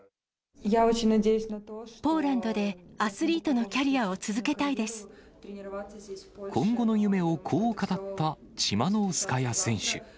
ポーランドでアスリートのキ今後の夢をこう語ったチマノウスカヤ選手。